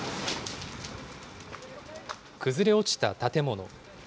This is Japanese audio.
崩れ落ちた建物。